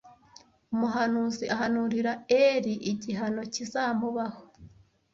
Umuhanuzi ahanurira Eli igihano kizamubaho